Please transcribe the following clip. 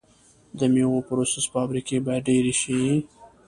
د میوو پروسس فابریکې باید ډیرې شي.